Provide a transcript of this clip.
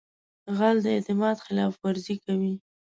غل د اعتماد خلاف ورزي کوي